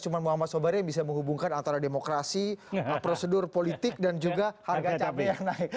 cuma muhammad sobari yang bisa menghubungkan antara demokrasi prosedur politik dan juga harga cabai yang naik